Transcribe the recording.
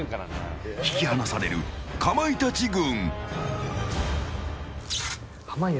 引き離される、かまいたち軍。